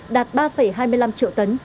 đạt ba hai mươi năm triệu tấn